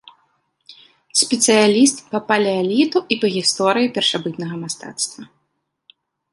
Спецыяліст па палеаліту і па гісторыі першабытнага мастацтва.